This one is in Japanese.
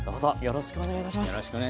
よろしくお願いします。